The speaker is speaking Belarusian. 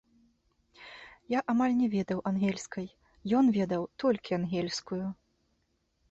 Я амаль не ведаў ангельскай, ён ведаў толькі ангельскую.